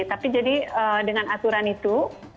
tapi jadi dengan aturan itu